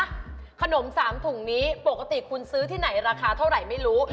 ขนม๓ถุงนี้ปกติคุณซื้อที่ไหนราคาเท่าไหร่ไม่รู้